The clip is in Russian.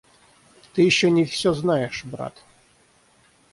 Ты еще не все знаешь, брат.